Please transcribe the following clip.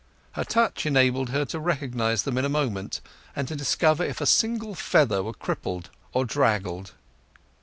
Her touch enabled her to recognize them in a moment, and to discover if a single feather were crippled or draggled.